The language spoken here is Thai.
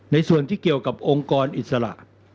ในส่วนที่เกี่ยวกับองค์กรอิสระ